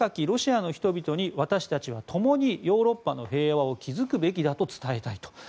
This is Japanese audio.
ロシアの人々に私たちは共にヨーロッパの平和を築くべきだと伝えたいと。